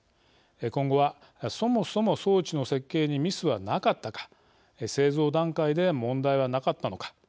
今後は、そもそも装置の設計にミスはなかったか製造段階で問題はなかったのか。